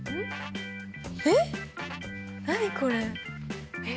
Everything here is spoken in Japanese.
えっ何これ？えっ？